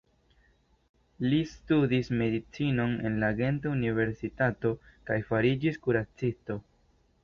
Li studis medicinon en la Genta Universitato kaj fariĝis kuracisto.